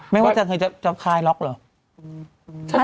ไม่ว่าจะคล้ายล็อกหรือ